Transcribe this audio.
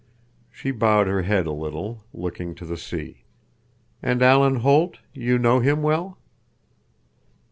She bowed her head a little, looking to the sea. "And Alan Holt? You know him well?"